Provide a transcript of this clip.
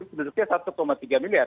menurutnya satu tiga miliar